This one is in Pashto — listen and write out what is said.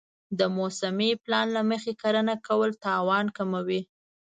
د موسمي پلان له مخې کرنه کول تاوان کموي.